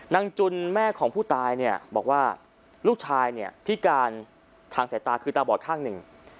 นางจุนแม่ของผู้ตายบอกว่าลูกชายพิการทางสายตาคือตาบอดข้างหนึ่ง